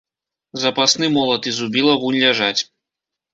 Запасны молат і зубіла вунь ляжаць.